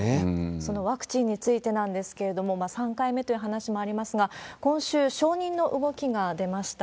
そのワクチンについてなんですけれども、３回目という話もありますが、今週、承認の動きが出ました。